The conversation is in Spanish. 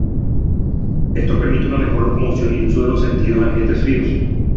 Esto permite una mejor locomoción y uso de los sentidos en ambientes fríos.